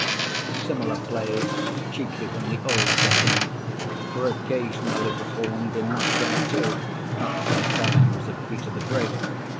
Similar plays, chiefly from the Old Testament, were occasionally performed in Moscow too, up to the times of Peter the Great.